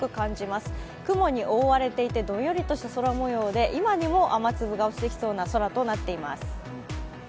す雲に覆われてどんよりとした空もようで、今にも雨粒が落ちてきそうな空もようとなっています。